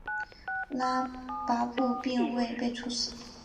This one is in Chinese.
拉跋布并未被处死。